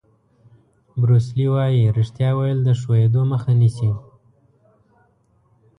بروس لي وایي ریښتیا ویل د ښویېدو مخه نیسي.